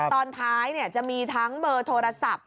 ตอนท้ายจะมีทั้งเบอร์โทรศัพท์